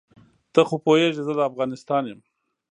ته خو پوهېږې زه د افغانستان یم.